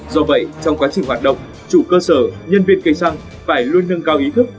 do vậy trong quá trình hoạt động chủ cơ sở nhân viên cây xăng phải luôn nâng cao ý thức